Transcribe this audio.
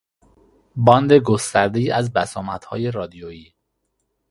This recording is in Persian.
باند گستردهای از بسامدهای رادیویی